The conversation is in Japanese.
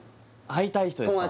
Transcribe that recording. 会いたい人ですか？